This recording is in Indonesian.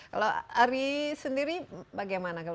kalau ari sendiri bagaimana